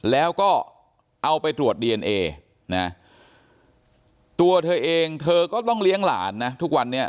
แล้วก็เอาไปตรวจดีเอนเอนะตัวเธอเองเธอก็ต้องเลี้ยงหลานนะทุกวันนี้